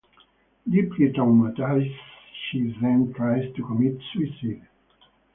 Deeply traumatized, she then tries to commit suicide.